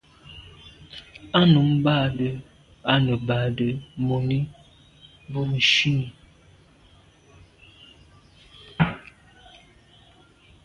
Á nǔm bâdə̀ á nə̀ bàdə̌ mùní bû shúnì.